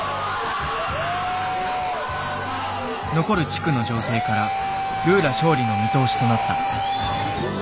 残る地区の情勢からルーラ勝利の見通しとなった。